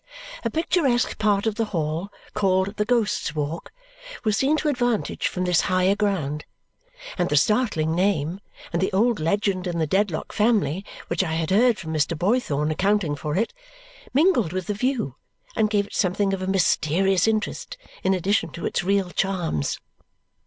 A picturesque part of the Hall, called the Ghost's Walk, was seen to advantage from this higher ground; and the startling name, and the old legend in the Dedlock family which I had heard from Mr. Boythorn accounting for it, mingled with the view and gave it something of a mysterious interest in addition to its real charms.